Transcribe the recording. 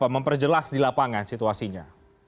memperjelas di lapangan situasinya